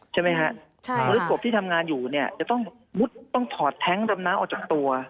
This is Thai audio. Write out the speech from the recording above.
ใช่ไหมฮะมริกบที่ทำงานอยู่เนี่ยจะต้องมุดต้องถอดแท้งดำน้ำออกจากตัว